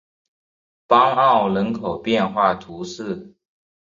邦奥人口变化图示